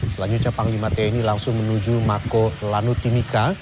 selanjutnya panglima tni langsung menuju mako lanut timika